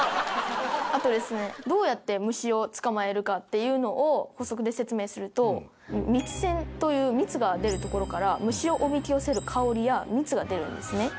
あとですねどうやって虫を捕まえるかっていうのを補足で説明すると蜜腺という蜜が出るところから虫をおびき寄せる香りや蜜が出るんですね。